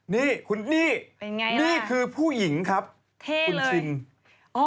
นี่คุณนี่นี่คือผู้หญิงครับคุณชินเป็นไงล่ะ